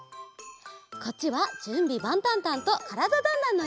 こっちは「じゅんびばんたんたん！」と「からだ☆ダンダン」のえ。